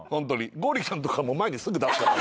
剛力ちゃんとか前にすぐ出すから。